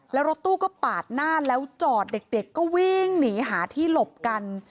แล้วรถตู้ก็ปาดหน้าแล้วจอดเด็กก็วิ่งหนีหาที่หลบกัน